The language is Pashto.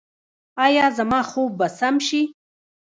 ایا زما خوب به سم شي؟